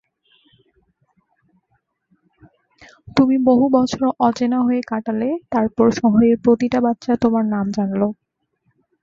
তুমি বহুবছর অচেনা হয়ে কাটালে, তারপর শহরের প্রতিটা বাচ্চা তোমার নাম জানলো।